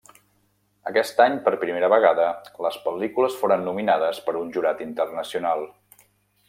Aquest any per primera vegada les pel·lícules foren nominades per un jurat internacional.